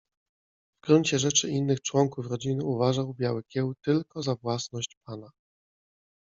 W gruncie rzeczy innych członków rodziny uważał Biały Kieł tylko za własność pana.